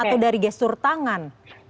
atau dari gesture tangan